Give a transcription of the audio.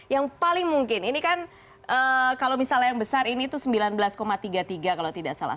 yang paling mungkin ini kan kalau misalnya yang besar ini tuh sembilan belas tiga puluh tiga kalau tidak salah